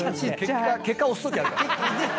結果押すときあるからね。